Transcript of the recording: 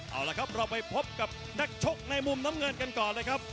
เอาละครับเราไปพบกับนักชกในมุมน้ำเงินกันก่อนเลยครับ